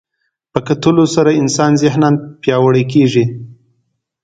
په کتلو سره انسان ذهناً پیاوړی کېږي